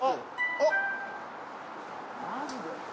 あっ！